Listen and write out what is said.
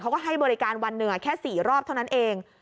เขาก็ให้บริการวันเหนือแค่๔รอบเท่านั้นเอง